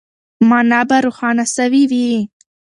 مانا به روښانه سوې وي.